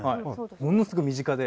ものすごい身近で。